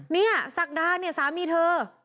เนี่ยศักดาเนี่ยสามีเธอ